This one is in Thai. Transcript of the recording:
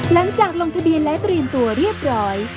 หลังจากลงทะเบียนและเตรียมตัวเรียบร้อย